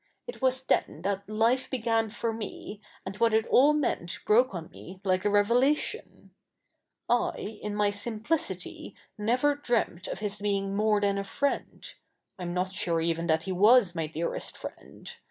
It was then that life began for me, and what it all meant broke on me like a revelatiofi. I, in my si??iplicity, tiever dreamt of his being more than a friend — I a7n not sure even that he was my dearest friend.